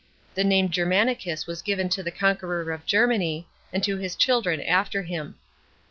The name Germanicus was given to the conqueror of Germany, and to his children after him.